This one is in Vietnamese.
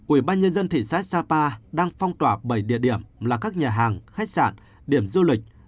ubnd thị xã sapa đang phong tỏa bảy địa điểm là các nhà hàng khách sạn điểm du lịch